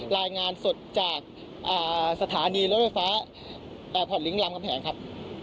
รายงานสดจากอ่าสถานีรถไฟฟ้าอ่าผ่อนลิงค์ลำกำแผงครับ